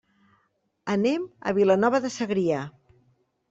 Anem a Vilanova de Segrià.